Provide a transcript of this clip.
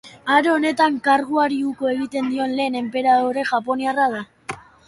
Aro honetan karguari uko egiten dion lehen enperadore japoniarra da.